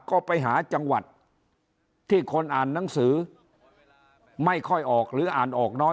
ก็ไปหาจังหวัดที่คนอ่านหนังสือไม่ค่อยออกหรืออ่านออกน้อย